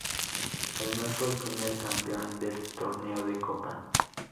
Además fue el primer Campeón del Torneo de Copa.